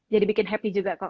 bikin happy juga kok